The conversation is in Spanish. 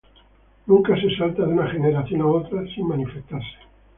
Nunca se salta de una generación a otra, sin manifestarse.